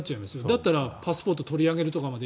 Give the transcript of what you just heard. だったらパスポートを取り上げるというところまで